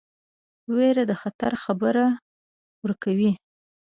ویره د خطر خبر ورکوي.